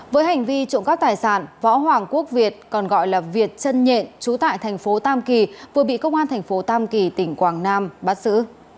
với hành vi trộm cắp tài sản võ hoàng quốc việt còn gọi là việt trân nhện trú tại thành phố tam kỳ vừa bị công an thành phố tam kỳ tỉnh quảng nam bắt xử